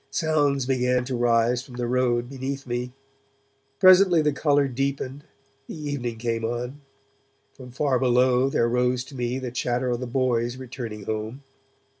Sounds began to rise from the road beneath me. Presently the colour deepened, the evening came on. From far below there rose to me the chatter of the boys returning home.